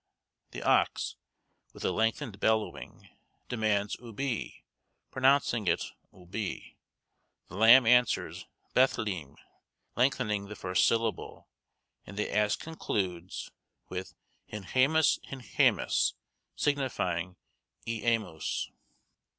The ox, with a lengthened bellowing, demands Ubi? pronouncing it oubi. The lamb answers Bethleem, lengthening the first syllable; and the ass concludes, with hinhamus, hinhamus, signifying eamus.